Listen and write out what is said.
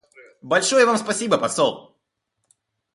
Большое Вам спасибо, посол.